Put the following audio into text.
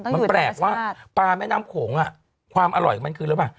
มันแปลกว่าปลาแม่น้ำโขงอะความอร่อยของมันคืออะไรวะ